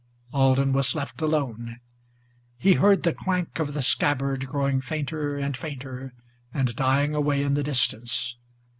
Alden was left alone. He heard the clank of the scabbard Growing fainter and fainter, and dying away in the distance.